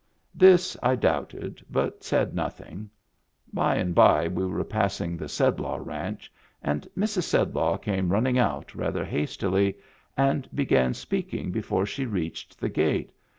This I doubted, but said nothing. By and by we were passing the Sedlaw Ranch and Mrs. Sedlaw came running out rather hastily — and began speaking before she reached the gate.